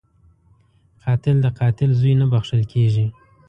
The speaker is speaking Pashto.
قاتل د قاتل زوی نه بخښل کېږي